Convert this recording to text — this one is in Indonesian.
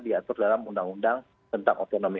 diatur dalam undang undang tentang otonomi